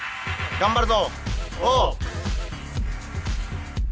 頑張るぞ！